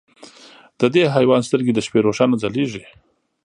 د دې حیوان سترګې د شپې روښانه ځلېږي.